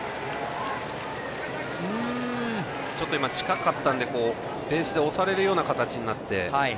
ちょっと今、近かったのでベースで押されるような形になって。